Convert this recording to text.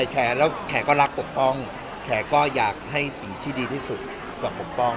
แขกแล้วแขกก็รักปกป้องแขกก็อยากให้สิ่งที่ดีที่สุดกับปกป้อง